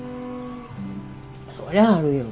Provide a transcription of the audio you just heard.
そりゃあるよ。